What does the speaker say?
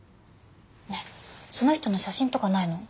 ねえその人の写真とかないの？